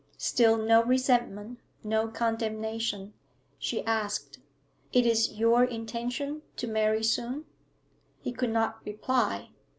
Still no resentment, no condemnation. She asked 'It is your intention to marry soon?' He could not reply.